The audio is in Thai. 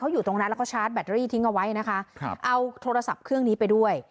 อยู่ตรงนั้นแล้วก็ชาร์จแบตรี่ทิ้งเอาไว้นะคะครับเอาโทรศัพท์เครื่องนี้ไปด้วย